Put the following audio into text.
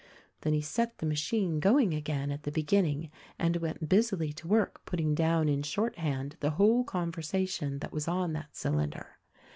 Then he set the machine going again at the beginning and went busily to work putting down in shorthand the whole conversation that was on that cylinder.